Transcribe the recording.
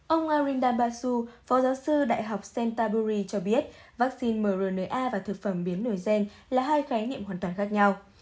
ông arinda basu phó giáo sư đại học centtaburi cho biết vaccine mrna và thực phẩm biến nổi gen là hai khái niệm hoàn toàn khác nhau